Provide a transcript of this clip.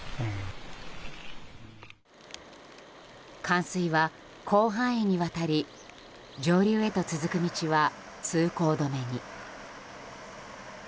冠水は広範囲にわたり上流へと続く道は通行止めに。